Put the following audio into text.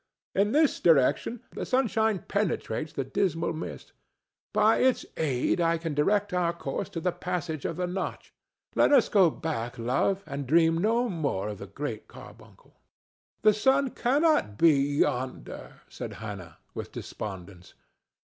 In this direction the sunshine penetrates the dismal mist; by its aid I can direct our course to the passage of the Notch. Let us go back, love, and dream no more of the Great Carbuncle." "The sun cannot be yonder," said Hannah, with despondence.